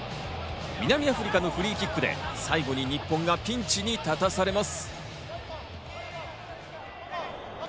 南アフリカのフリーキックで最後に日本がピンチに立たされます。